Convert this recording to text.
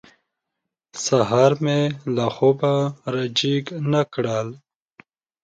سهار مې له خوبه را جېګ نه کړل.